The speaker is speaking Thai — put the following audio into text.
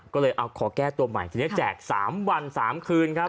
ขอแก้ตัวใหม่แจกสามวันสามคืนครับ